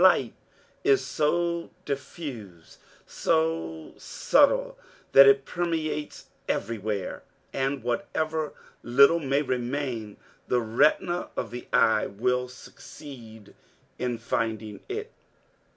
Light is so diffuse, so subtle, that it permeates everywhere, and whatever little may remain, the retina of the eye will succeed in finding it.